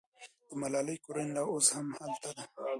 د ملالۍ کورنۍ لا اوس هم هلته ده.